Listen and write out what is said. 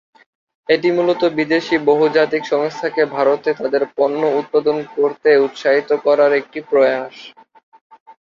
এটি মুলত বিদেশি বহুজাতিক সংস্থাকে ভারতে তাদের পণ্য উৎপাদন করতে উৎসাহিত করার একটি প্রয়াস।